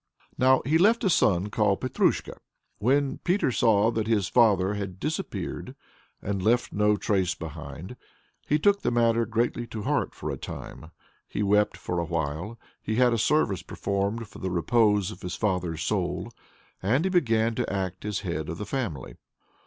Now, he left a son called Petrusha. When Peter saw that his father had disappeared and left no trace behind, he took the matter greatly to heart for a time, he wept for awhile, he had a service performed for the repose of his father's soul, and he began to act as head of the family.